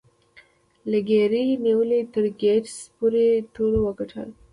له ګيري نیولې تر ګیټس پورې ټولو وګټل